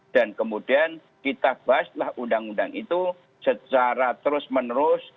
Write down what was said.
dan kemudian kita bahaslah undang undang itu secara terus menerus